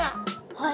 はい。